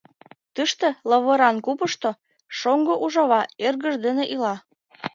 Тыште, лавыран купышто, шоҥго ужава эргыж дене ила.